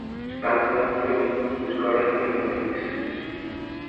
Parte da acción discorre tamén en París.